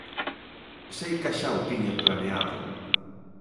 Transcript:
Seica xa o tiña planeado.